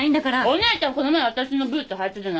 お姉ちゃんこの前あたしのブーツ履いたじゃないよ。